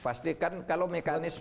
pastikan kalau mekanisme